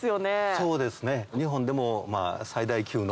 そうですね。